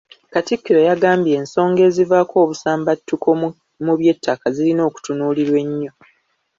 Katikkiro yagambye ensonga ezivaako obusambattuko mu by'ettaka zirina okutunuulirwa ennyo.